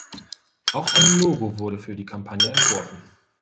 Auch ein Logo wurde für die Kampagne entworfen.